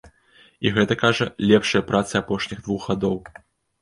І гэта, кажа, лепшыя працы апошніх двух гадоў.